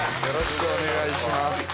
よろしくお願いします